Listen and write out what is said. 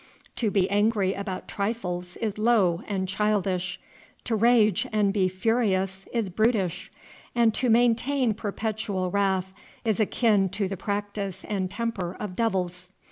To be angry about trifles is low and childish; to rage and be furious is brutish; and to maintain perpetual wrath is akin to the practice and temper of devils.